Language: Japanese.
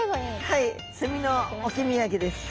はい墨の置き土産です。